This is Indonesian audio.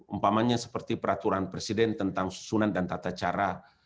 umpamanya seperti peraturan presiden tentang susunan dan tata cara